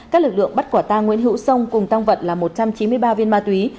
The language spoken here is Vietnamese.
các lực lượng bắt quả ta nguyễn hữu sông cùng tăng vật là một trăm chín mươi ba viên ma túy